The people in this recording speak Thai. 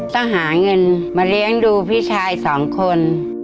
ต้องหาเงินมาเลี้ยงดูพี่ชายสองคน